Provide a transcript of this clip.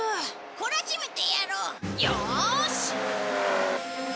懲らしめてやろう！よし！